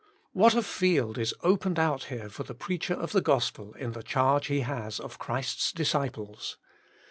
What a field is opened out here for the preacher of the gospel in the charge he has of Christ's disciples.